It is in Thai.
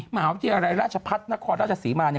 มหาวิทยาลัยราชพัฒนครราชศรีมาเนี่ย